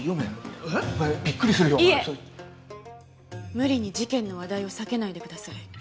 無理に事件の話題を避けないでください。